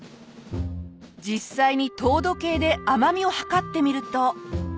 実際に糖度計で甘みを測ってみると。